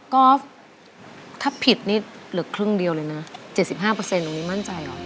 ก็ถ้าผิดนี่เหลือครึ่งเดียวเลยนะ๗๕ตรงนี้มั่นใจเหรอ